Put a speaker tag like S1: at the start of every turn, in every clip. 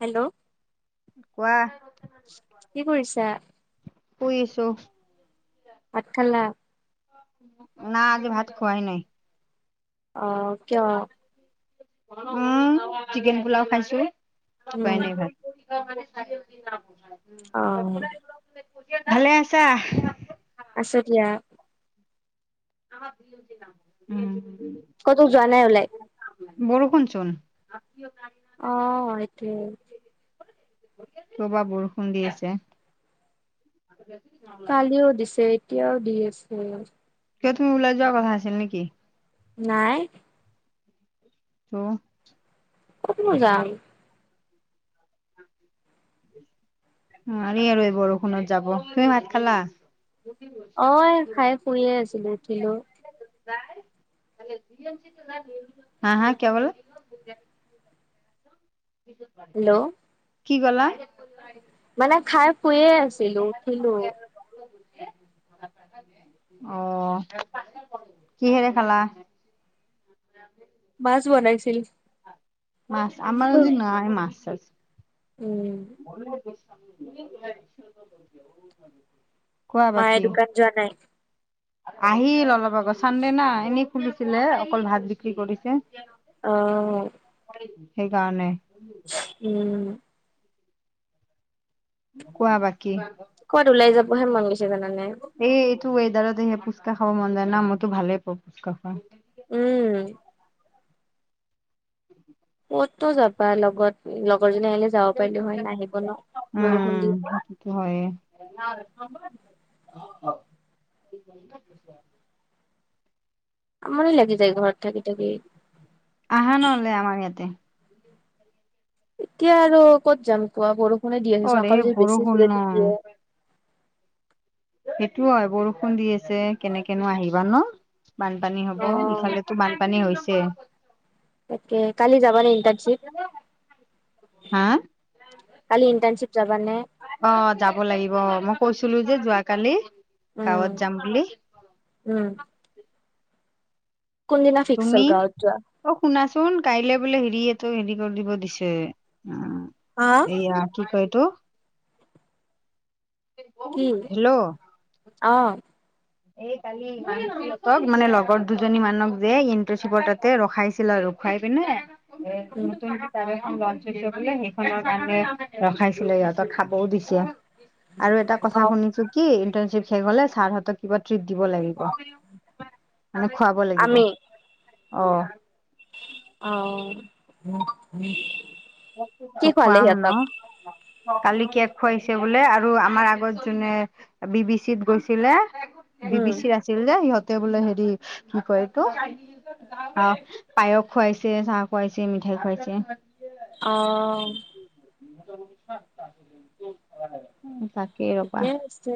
S1: Hello,
S2: কোৱা।
S1: কি কৰিছা।
S2: শুই আছোঁ।
S1: ভাত খালা।
S2: না আজি ভাত খোৱাই নাই।
S1: অ কিয়।
S2: উম চিকেন পোলাও খাইছো খোৱাই
S1: উম
S2: নাই ভাত, [unintelligible]
S1: অ
S2: ভালে আছা?
S1: আছো দিয়া।
S2: [unintelligible]
S1: ক'তো যোৱা নাই ওলাই।
S2: বৰষুণ চোন।
S1: অ সেইটো।
S2: ৰবা বৰষুণ দি আছে। [unintelligible]
S1: কালিও দিছে এতিয়াও দি আছে।
S2: কিয় তুমি ওলাই যোৱা কথা আছিল নেকি।
S1: নাই।
S2: ত,
S1: ক'ত নো যাম।
S2: নোৱাৰি আৰু এই বৰষুণত যাব তুমি ভাত খালা।
S1: অ খাই শুইয়ে আছিলোঁ উঠিলো
S2: হা হা কিবা বৌলা [unintelligible]
S1: হেল্ল'
S2: কি কলা।
S1: মানে খাই শুইয়ে আছিলোঁ উঠিলো।
S2: অ কি হেৰে খালা।
S1: মাছ বনাইছিল।
S2: মাছ আমাৰ আজি নাই মাছ ছাছ
S1: উম
S2: [unintelligible] কোৱা
S1: মায়ে
S2: বাকী?
S1: দোকান যোৱা নাই
S2: আহিল অলপ আগত চানডে না এনেই খুলিছিলে অকল ভাত বিক্ৰী কৰিছে
S1: অ
S2: সেই কাৰণে
S1: উম
S2: কোৱা বাকি
S1: কবাত ওলাই যাবহে মন গৈছে জানানে
S2: এই এইটো ৱেডাৰত সেয়া ফুচকা খাব মন যায় না মইতো ভালেই পাওঁ ফুচকা খোৱা
S1: উম ক'ততো যাবা লগত লগৰজনী আহিলে যাব পাৰিলো হয় নাহিব ন বৰষুণ দি
S2: হয়
S1: আমনি লাগি যায় ঘৰত থাকি থাকি
S2: আহা নহলে আমাৰ ইয়াতে [inaudible]
S1: এতিয়া আৰু ক'ত যাম কোৱা বৰষুণে দি আহিছে
S2: অৰে
S1: আকৌ যদি বেছি
S2: বৰষুণ
S1: জোৰে দি
S2: ন।
S1: দিয়ে
S2: সেইটো হয় বৰষুণ দি আছে কেনেকেনো আহিবা ন বানপানী হব
S1: অ
S2: ইফালেতো বানপানী হৈছে
S1: তাকে কালি যাবা নে ইণ্টাৰ্ণশ্বিপ
S2: হা
S1: কালি ইণ্টাৰনশ্বিপ যাবা নে
S2: অ যাব লাগিব অ মই কৈছিলোঁ যে যোৱা কালি
S1: উম
S2: গাঁৱত যাম বুলি
S1: উম কোন দিনা ফিক্স হ'ল
S2: তুমি
S1: গাঁৱত যোৱা
S2: অ শুনাচোন কাইলে বোলে হেৰি এটো হেৰি কৰি দিব দিছে
S1: যোৱা
S2: উম এয়া কি কয় এইটো
S1: কি
S2: হেল্ল'
S1: অ
S2: এই কালি মানে লগৰ দুজনী মানক যে ইণ্টাৰনশ্বিপৰ তাতে ৰখাইছিল আৰু খাই পিনে উম নতুন এখন লঞ্চ হৈছে বোলে সেইখনৰ কাৰণে ৰখাইছিলে সিহঁতক খাবও দিছে আৰু এটা
S1: অ
S2: কথা শুনিছো কি ইণ্টাৰ্নশিপ শেষ হলে ছাৰ হতক- কিবা ট্ৰিক দিব লাগিব মানে খুৱাব লাগিব
S1: আমি
S2: অ
S1: অ
S2: ত
S1: কি খোৱালে
S2: খোৱাম ন
S1: সিহঁতক
S2: কালি কেক খুৱাইছে বোলে আৰু আমাৰ আগত যোনে বি বি চিত গৈছিলে বি
S1: উম
S2: বি চিত আছি- আছিল যে সিহঁতে বোলে হেৰি কি কয় এইটো অ পায়স খুৱাইছে চাহ খুৱাইছে মিঠাই খুৱাইছে
S1: অ
S2: তাকেই
S1: ঠিকে
S2: ৰবা
S1: আছে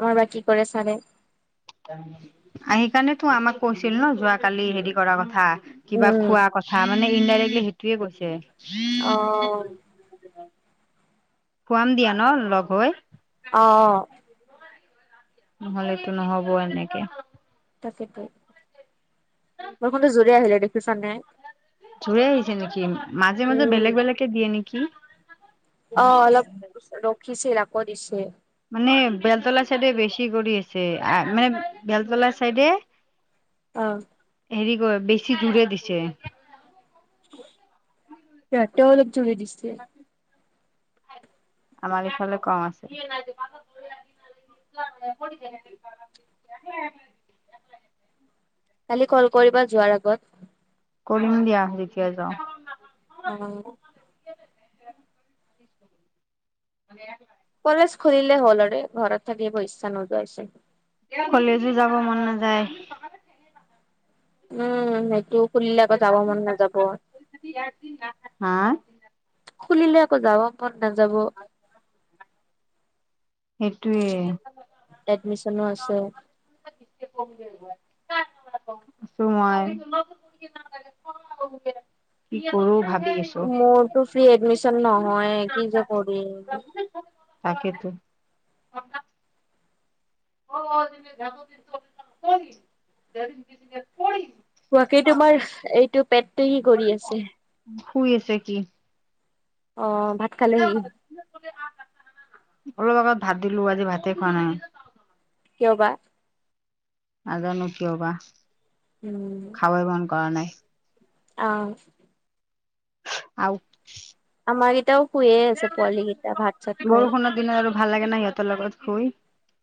S1: আমাৰ বা কি কৰে চাৰে
S2: আহি কাৰনেতো আমাক কৈছিল ন যোৱ কালি হেৰি কৰাৰ কথা কিবা
S1: উম
S2: খোৱা কথা মানে ইনডাইৰেক্টলি সেইটোয়ে কৈছে
S1: অ
S2: খুৱাম দিয়া ন লগ হৈ
S1: অ অ
S2: নহলেতো নহ'ব এনেকে
S1: তাকেটো বৰষুণটো জোৰে আহিলে দেখিছা নে
S2: জুৰে আহিছে নেকি মাজে মাজে
S1: উম,
S2: বেলেগ বেলেকে দিয়ে নেকি?
S1: অ অলপ ৰখিছিল আকৌ দিছে
S2: মানে বেলতলা চাইডে বেছি কৰি আছে আহ মানে বেলতলা চাইডে
S1: অ
S2: হেৰি কৰে বেছি জুৰে দিছে।
S1: ইয়াটো অলপ জুৰে দিছে
S2: আমাৰ ইফালে কম আছে। [unintelligible] [unintelligible]
S1: কালি কল কৰিবা যোৱাৰ আগত
S2: কৰিম দিয়া যেতিয়া যাওঁ।
S1: অ
S2: [unintelligible]
S1: কলেজ খোলিলে হ'ল আৰে ঘৰত থাকি পইচা নোযোৱাইছে
S2: কলেজো যাব মন নাযায়
S1: উম সেইটো খুলিলে আকৌ যাব মন নাযাব।
S2: হা?
S1: খুলিলে আকৌ যাব মন নাযাব। এডমিচনো আছে।
S2: সেইটোৱে আছো মই কি কৰো ভাবি আছ
S1: মোৰতো ফ্ৰি এডমিশ্যন নহয় কি যে কৰিম
S2: তাকেতো [unintelligible]
S1: কোৱাকেই তোমাৰ এইটো পেটটেৰি কৰি আছে
S2: শুই আছে কি।
S1: অ ভাত খালেহি?
S2: অলপ আগত ভাত দিলো আজি ভাতে খোৱা নাই
S1: কিয় বা
S2: নাজানো কিয় বা
S1: উম
S2: খাবই মন কৰা নাই।
S1: অ
S2: আও
S1: আমাৰকেইটাও শুইে আছে পোৱালি কেইটা ভাত চাত খাই
S2: বৰষুণৰ দিনত আৰু ভাল লাগে ন সিহঁতৰ লগত শুই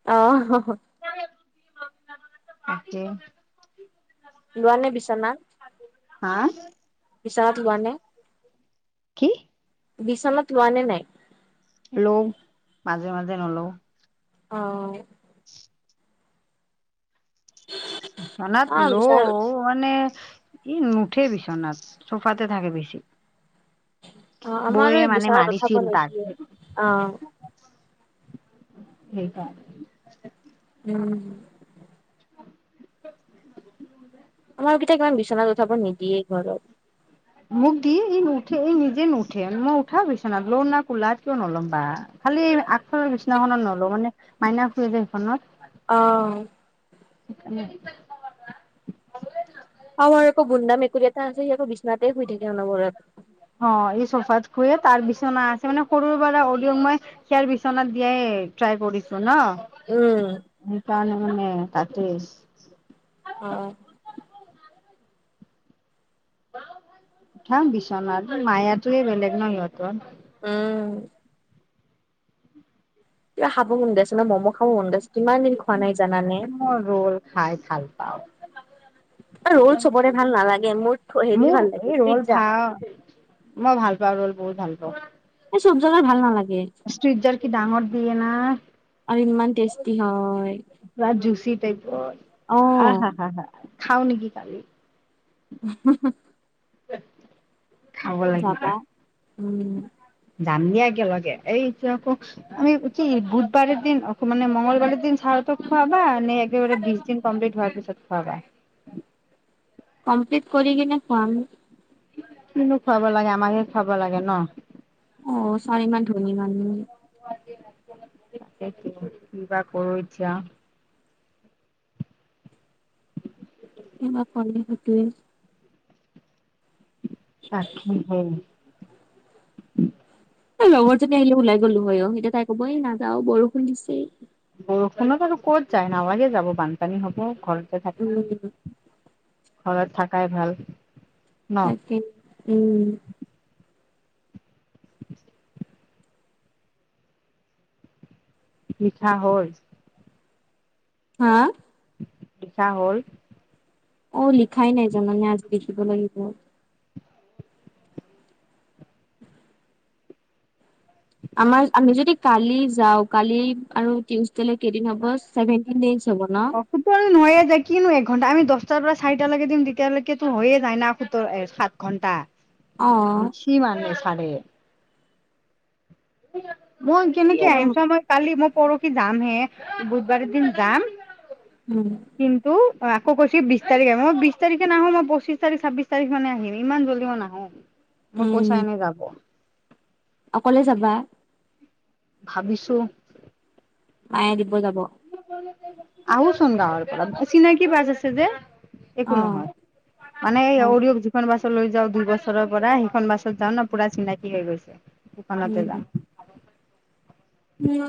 S1: অ
S2: [unintelligible] তাকে
S1: লোৱা নে বিচনা
S2: হা
S1: বিছনাত লোৱা নে?
S2: কি
S1: বিচনাত লোৱা নে নাই?
S2: লও মাজে মাজে নলও
S1: অ
S2: বিচনাত
S1: অ বিচনাত
S2: লও মানে, ই নুঠে বিচনাত। চোফাতে থাকে বেছি।
S1: অ আমাৰো
S2: বৌএ মানে
S1: বিচনাত উঠাব
S2: মাৰিছিল তাক।
S1: নিদিয়ে অ
S2: সেইকাৰনে
S1: উম। আমাৰ কেইটাক কিমান বিচনাত উঠাব নিদিয়ে ঘৰত
S2: মোক দি ই নুঠে এই নিজে নুঠে মই উঠাও বিচনাত লও না কোলাত কিয় নল'ম বা খালি আগফালৰ বিচনাখনত নলওঁ মানে মাইনা শুৱে যে সেইখনত
S1: অ
S2: [unintelligible]
S1: আমাৰ আকৌ বোন্দা মেকুৰী এটা আছে, সি আকৌ বিছনাতেই শুই থাকে অনবৰত।
S2: অ' এই চোফাত শুৱে। তাৰ বিচনা আছে মানে, সৰুৰ পৰা অৰিঅ'ক মই সেয়াৰ বিচনাত দিয়াই ট্ৰাই কৰিছো
S1: উম
S2: ন? সেইকাৰণে মানে তাতেই আছে।
S1: অ'।
S2: উঠাম বিচনাত, মায়াটোৱে বেলেগ নহ সিহঁতৰ!
S1: উম। কিবা খাব মন গৈ আছে ন? ম'ম' খাব মন গৈছে কিমান দিন খোৱা নাই জানানে?
S2: মই ৰোল খাই ভাল পাওঁ।
S1: ৰোল চবৰে ভাল নালাগে। মোৰ হেৰি ভাল লাগে, পিজ্জা।
S2: অ'। মই ভাল পাওঁ, ৰোল বহুত ভাল পাওঁ।
S1: এই চব জেগাৰ ভাল নালাগে।
S2: [unintelligible] কি ডাঙৰ দিয়ে না!
S1: আৰু ইমান টেষ্টি হয়
S2: পুৰা জুচি
S1: অ
S2: টাইপৰ। আ হা হা হা। খাওঁ নেকি কালি!
S1: [unintelligible]
S2: খাব লাগিব।
S1: যাবা উম
S2: যাম দিয়া একেলগে। এতিয়া আকৌ আমি উ কি বুধবাৰৰ দিন, মানে মঙলবাৰৰ দিন ছাৰহঁতক খোৱাবা নে? একেবাৰে বিশদিন কমপ্লিট হোৱাৰ পিছত। ত খুৱাবা?
S1: কমপ্লিট কৰি কিনে খোৱাম।
S2: কিনো খুৱাব লাগে! আমাকহে খুৱাব লাগে ন?
S1: অ' ছাৰ ইমান ধনী মানুহ।
S2: কিবা কৰো এতিয়া!
S1: কিবা ক'লে সেইটোৱে!
S2: [unintelligible]
S1: এ লগৰজনী আহিলে ওলাই গ'লো হয় অ'। এতিয়া তাই ক'ব এই নাযাও বৰষুণ দিছে।
S2: বৰষুণত আৰু ক'ত যায়, নালাগে যাব। বানপানী হ'ব ঘৰতে
S1: উম
S2: থাকে। ঘৰত থাকাই ভাল। ন
S1: তাকে, উম।
S2: [unintelligible] মিঠা হ'ল।
S1: হা!
S2: পিঠা হ'ল?
S1: অ' লিখাই নাই জানানে? আজি লিখিব লাগিব। আমাৰ, আমি যদি কালি যাওঁ, কালি আৰু টিউচ ডে'লে কেইদিন হ'ব, ছেভেনটিন ডেইজ হ'ব ন?
S2: অ সোতৰ নহয়ে যায়, কিনো একঘণ্টা আমি দহটাৰ পৰা চাৰিটালৈকে দিম। তেতিয়ালৈকেতো হৈয়ে যায় না সোতৰ, সাত। ঘণ্টা।
S1: অ'।
S2: কিমান [unintelligible] চাৰে। [unintelligible] মই
S1: কি
S2: কেনেকে
S1: আৰু
S2: আহিম চা বয় কালি মই পৰহি যাম হে বুধবাৰে দিন যাম।
S1: উম।
S2: কিন্তু আক কৈছো কৈছে বিশ তাৰিখ আহম মই বিশ তাৰিখে নাহো মই পচিছ তাৰিখ ছাব্বিছ তাৰিখ মে আহিম ইমান জল্দি মই নাহো।
S1: [inaudible]
S2: মোৰ পইচা এনে যাব।
S1: অকলে যাবা।
S2: ভাবিছোঁ।
S1: মায়ে দিব যাব।
S2: আৰুচোন গাঁৱৰ পৰা, চিনাকি বাছ আছে যে। একো
S1: অ
S2: নহয় মানে
S1: অ
S2: অৰিয়ক যিখন বাছ লৈ যাওঁ দুই বছৰৰ পৰা। সিখন বাছত যাও ন পুৰা চিনাকি হৈ গৈছে সিখনতে
S1: উম,
S2: যাম।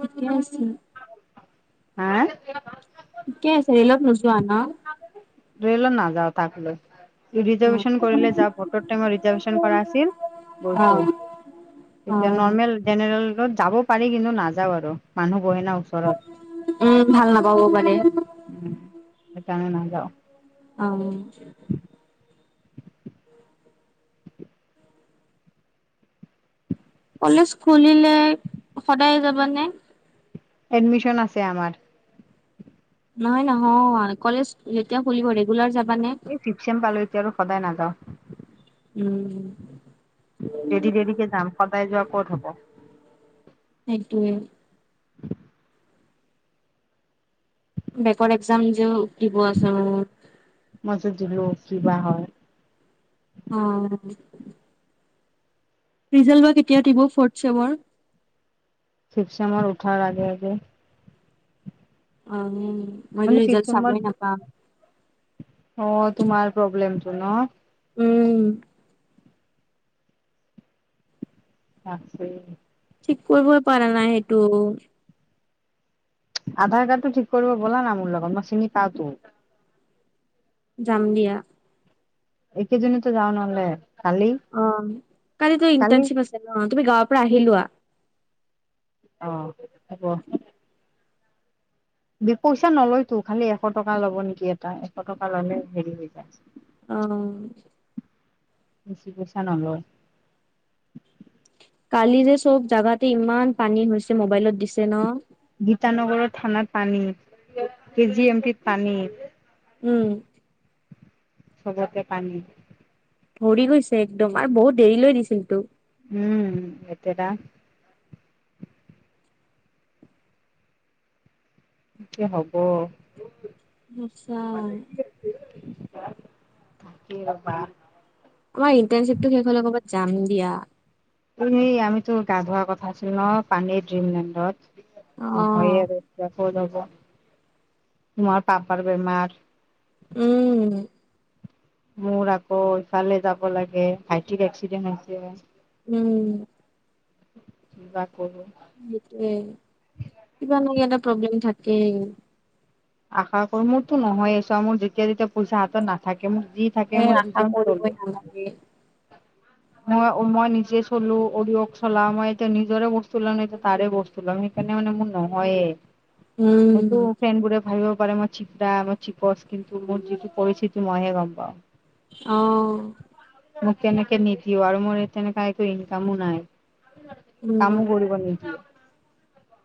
S1: ঠিকে আছিল।
S2: হাই [unintelligible]
S1: ঠিকেই ৰেলত নোযোৱা ন।
S2: ৰেল নাযাওঁ তাক লৈ।
S1: অ',
S2: ৰিজাৰ্ভেশ্যন কৰিলে যা ভটৰ টাইমত ৰিজাৰ্ভেশ্যন কৰা আছিল গৈছো।
S1: অ',
S2: এতিয়া
S1: অ',
S2: নৰ্মেল জেনেৰেলত যাব পাৰি কিন্তু নাযাও আৰু মানুহ বহেনা ওচৰত।
S1: উম ভাল নাপাব পাৰে।
S2: সেকাৰণে নাযাওঁ।
S1: [unintelligible]
S2: [inaudible]
S1: কলেজ খুলিলে সদায় যাবানে?
S2: এডমিশ্যন আছে আমাৰ।
S1: নহয়, নহয় কলেজ যেতিয়া খুলিব ৰেগুলাৰ যাবানে?
S2: ফিফছেম পালো এতিয়া আৰু সদায় নাযাওঁ।
S1: উম।
S2: দেৰি দেৰিকে যাম সদায় যোৱা ক'ত হ'ব।
S1: সেইটোৱে। বেকৰ একজাম যো দিব আছে মোৰ।
S2: মাজত দিলোঁ কি বা হয়।
S1: অহ। ৰিজাল্ট বা কেতিয়া দিব ফৰ্থ চেমৰ।
S2: ফিফছেমৰ উঠাৰ আগে আগে।
S1: অ নি।
S2: তহঁতি ফিফছেমত অ তোমাৰ প্ৰব্লেমটো নৰ।
S1: উম।
S2: আছে।
S1: ঠিক কৰিবই পাৰা নাই সেইটো।
S2: আধাৰ কাৰ্ড টো ঠিক কৰিব ব'লা না মোৰ লগত মই চিনি পাওঁ তো।
S1: যাম দিয়া।
S2: এইকেজিনতে যাওঁ নহ'লে। কালি
S1: অ কালি তোৰ ইণ্টাৰ্নশ্বিপ আছে ন তুমি গাঁৱৰ পৰা আহি লোৱা।
S2: অ হ'ব। বিপুইচা নলয়তো খালি এশ টকা ল'ব নেকি এটা এশ টকা ললে হেৰি হৈ যায়।
S1: অ।
S2: বেছি পইচা নলয়।
S1: কালি যে চব জাগাতে ইমান পানী হৈছে মোবাইলত দিছে ন।
S2: গীতানগৰৰ থানাত পানী, কে জি এমটিত পানী।
S1: উম।
S2: চবতে পানী।
S1: ভৰি গৈছে একদম আৰু বহুত দেৰি লৈ দিছিল তো।
S2: উম একেটা। কি হব।
S1: আচ্ছা
S2: [unintelligible]
S1: আমাৰ ইণ্টাৰ্নশিপ টো শেষ হলে ক'ৰবাত যাম দিয়া।
S2: এই আমিতো গা ধোৱা কথা আছিল ন পানীৰ ড্ৰিমলেণ্ডত। অ হয় আৰু কেখ যাব, তোমাৰ পাপাৰ বেমাৰ
S1: উম।
S2: মোৰ আকৌ ইফালে যাব লাগে ভাইটিৰ এক্সিডেন্ট হৈছে।
S1: উম।
S2: কিবা কব।
S1: সেইটোয়ে কিবা নহয় এটা প্ৰব্লেম থাকে।
S2: আশা কৰো মোৰতো নহয়ে চোৱা মোৰ যেতিয়া যেতিয়া পইচা হাতত নাথাকে মোৰ যি থাকে
S1: এ
S2: মই
S1: আশা
S2: দুজন চলো।
S1: [unintelligible]
S2: মই মই নিজে চলো অৰিঅক চলাও মই এতিয়া নিজৰে বস্তু লওঁ নে এতিয়া তাৰে বস্তু লম। সেইকাৰণে মানে মোৰ
S1: উম
S2: নহয়ে সেইটো ফ্ৰেড বোৰে ভাবিব পাৰে মই চিকদা মই চিপচ কিন্তু মোৰ যিটো পিৰিছটিতি মই হে গম পাওঁ।
S1: অহ।
S2: মোক কেনেকে নিদিও আৰু মোৰ তেনেকা একো ইনকামো নাই।
S1: উম
S2: কামো কৰিব নিদিয়ে।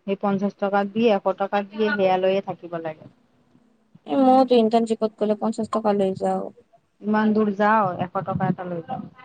S2: সেই পঞ্চাশ টকাত দি এশ টকাত দিয়ে সেয়া লৈয়ে থাকিব লাগে।
S1: এ মই তো ইণ্টাৰ্নশ্বিপত গ'লে পঞ্চাশ টকা লৈ যাওঁ।
S2: ইমান দূৰ যাও এশ টকা এটা লৈ যাওঁ।